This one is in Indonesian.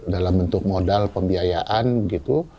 dalam bentuk modal pembiayaan gitu